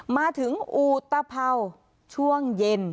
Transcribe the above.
มาถึงอุตภัวช่วงเย็น